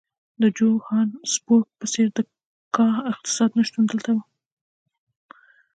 د جوهانسبورګ په څېر د کا اقتصاد نه شتون دلته وو.